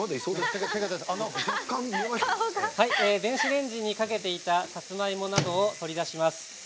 電子レンジにかけていたさつまいもなどを取り出します。